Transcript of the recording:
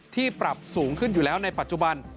ปรับสูงขึ้นอยู่แล้วในปัจจุบัน